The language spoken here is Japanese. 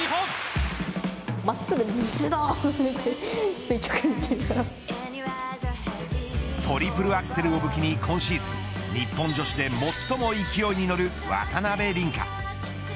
大きな武器を携えてトリプルアクセルを武器に今シーズン日本女子で最も勢いに乗る渡辺倫果。